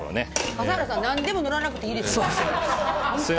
笠原さん何でも乗らなくていいですよ。